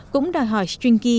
cũng đòi hỏi stringy